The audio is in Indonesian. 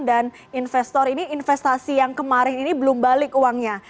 dan investor ini investasi yang kemarin ini belum balik uangnya